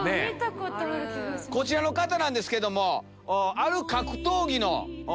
こちらの方なんですけども。